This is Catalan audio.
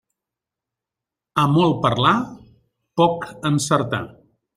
A molt parlar, poc encertar.